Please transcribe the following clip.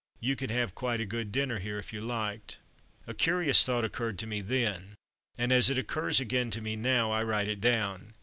You could have quite a good dinner here if you liked. A curious thought occurred to me then, and as it occurs again to me now I write it down.